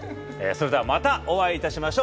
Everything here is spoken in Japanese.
それではまたお会いいたしましょう。